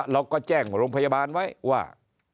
เราก็แจ้งโรงพยาบาลไว้ว่า